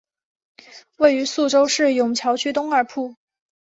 位于宿州市埇桥区东二铺。